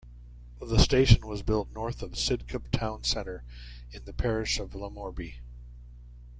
The station was built north of Sidcup town centre in the parish of Lamorbey.